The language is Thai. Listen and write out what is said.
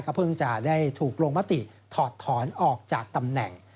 เพิ่งจะได้ถูกลงมติถอดถอนออกจากตำแหน่ง